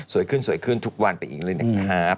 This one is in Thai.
ขึ้นสวยขึ้นทุกวันไปอีกเลยนะครับ